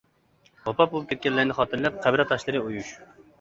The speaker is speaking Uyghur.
ۋاپات بولۇپ كەتكەنلەرنى خاتىرىلەپ قەبرە تاشلىرى ئويۇش.